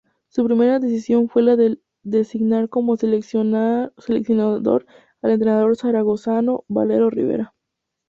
Su primera decisión fue la de designar como Seleccionador al entrenador zaragozano Valero Rivera.